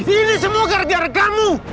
ini semua gara gara kamu